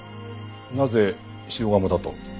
なぜ下鴨だと？